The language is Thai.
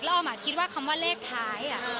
อ้อมคิดว่าคำว่าเลขท้าย